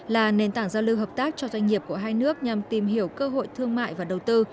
là nền tảng giao lưu hợp tác cho doanh nghiệp của hai nước nhằm tìm hiểu cơ hội thương mại và đầu tư